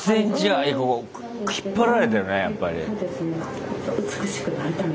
引っ張られてるねやっぱり。